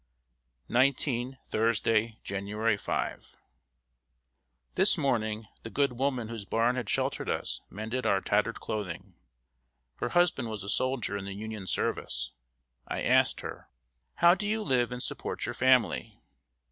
XIX. Thursday, January 5. This morning, the good woman whose barn had sheltered us mended our tattered clothing. Her husband was a soldier in the Union service. I asked her: "How do you live and support your family?"